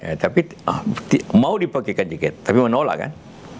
ya tapi mau dipakaikan juga tapi menolak kan